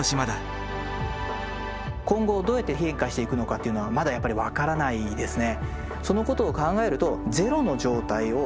今後どうやって変化していくのかっていうのはまだやっぱり分からないですね。